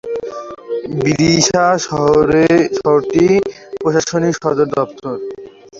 বিদিশা শহরটি এর প্রশাসনিক সদর দফতর।